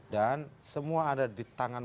semua ada di tangan